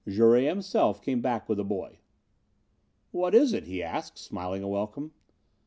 Jouret, himself, came back with the boy. "What is it?" he asked, smiling a welcome.